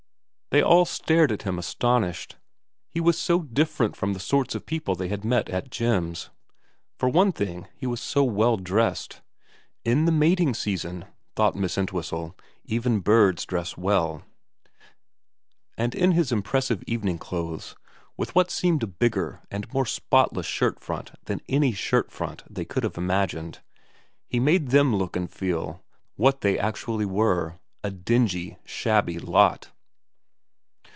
They all stared at him astonished. He was so different from the sorts of people they had met at Jim's. For one thing he was so well dressed, in the mating season, thought Miss Entwhistle, even birds dress well, and in his impressive evening clothes, with what seemed a bigger and more spotless shirt front than any shirt front they could have imagined, he made them look and feel what they actually were, a dingy, shabby lot.